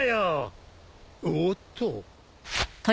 おっと。